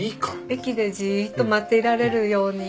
駅でじっと待っていられるように。